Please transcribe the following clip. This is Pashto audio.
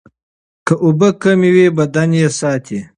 که اوبه کمې وي، بدن یې ساتي.